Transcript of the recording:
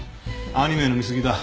アニメの見すぎだ。